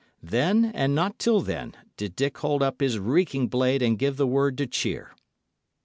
Then, and not till then, did Dick hold up his reeking blade and give the word to cheer.